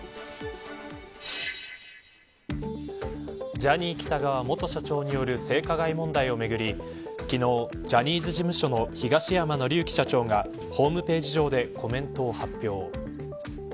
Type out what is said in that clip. ジャニー喜多川元社長による性加害問題をめぐり昨日ジャニーズ事務所の東山紀之社長がホームページ上でコメントを発表。